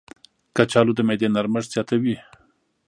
کچالو د معدې نرمښت زیاتوي.